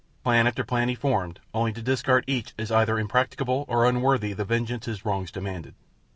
Plan after plan he formed only to discard each either as impracticable, or unworthy the vengeance his wrongs demanded.